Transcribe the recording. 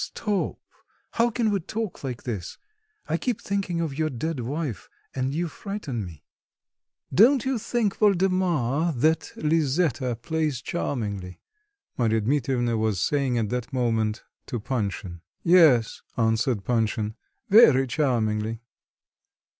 "Stop, how can we talk like this? I keep thinking of you dead wife, and you frighten me." "Don't you think, Voldemar, that Liseta plays charmingly?" Marya Dmitrievna was saying at that moment to Panshin. "Yes," answered Panshin, "very charmingly."